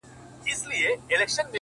هغه اوس اوړي غرونه غرونه پـــرېږدي،